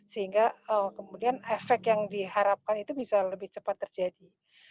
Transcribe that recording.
sehingga kemudian efek yang diharapkan itu bisa lebih cepat terjadi